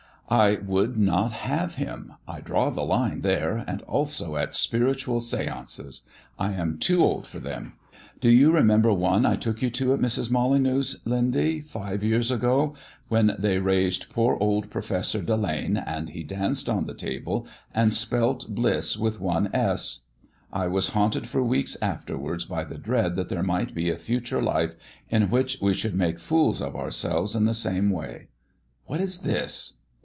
"I would not have him. I draw the line there, and also at spiritual seances. I am too old for them. Do you remember one I took you to at Mrs. Molyneux's, Lindy, five years ago, when they raised poor old Professor Delaine, and he danced on the table and spelt bliss with one s? I was haunted for weeks afterwards by the dread that there might be a future life, in which we should make fools of ourselves in the same way. What is this?"